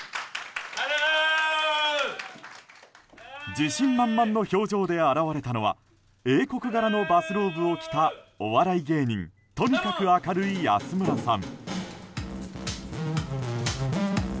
自信満々の表情で現れたのは英国柄のバスローブを着たお笑い芸人とにかく明るい安村さん。